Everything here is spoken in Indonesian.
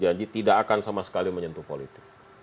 jadi tidak akan sama sekali menyentuh politik